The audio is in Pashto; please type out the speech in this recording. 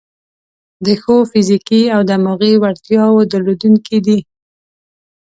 د ښو فزیکي او دماغي وړتیاوو درلودونکي دي.